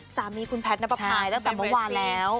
สามีคุณแพทย์นักประปาตั้งแต่เมื่อวานแล้ว